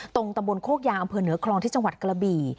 ตำบลโคกยางอำเภอเหนือคลองที่จังหวัดกระบี่